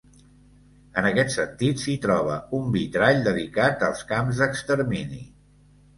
En aquest sentit, s'hi troba un vitrall dedicat als camps d'extermini.